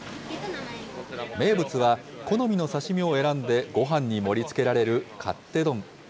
名物は、好みの刺身を選んでごはんに盛りつけられる勝手丼。